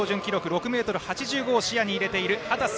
６ｍ８５を視野に入れている、秦澄